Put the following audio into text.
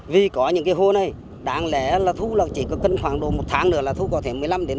vì có những cái hồ này đáng lẽ là thu chỉ có khoảng một tháng nữa là thu có thể một mươi năm một mươi bảy